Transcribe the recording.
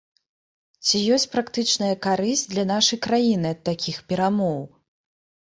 Ці ёсць практычная карысць для нашай краіны ад такіх перамоў?